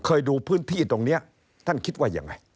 เคยดูพื้นที่ตรงนี้ท่านคิดว่ายังไง